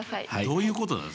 どういうことなの？